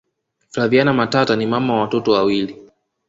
flaviana matata ni mama wa watoto wawilii